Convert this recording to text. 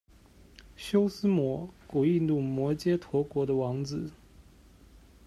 修私摩古印度摩揭陀国的王子。